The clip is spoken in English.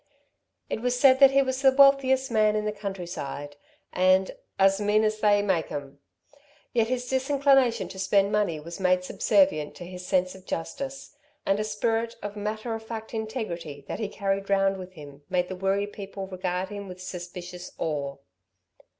It was said that he was the wealthiest man in the countryside, and as "mean as they make 'em." Yet his disinclination to spend money was made subservient to his sense of justice; and a spirit of matter of fact integrity that he carried round with him made the Wirree people regard him with suspicious awe.